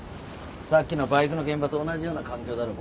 さっきのバイクの現場と同じような環境だろ